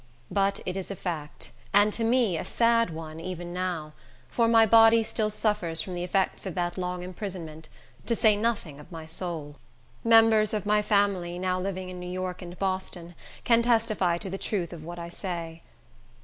But it is a fact; and to me a sad one, even now; for my body still suffers from the effects of that long imprisonment, to say nothing of my soul. Members of my family, now living in New York and Boston, can testify to the truth of what I say.